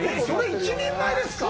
それ１人前ですか？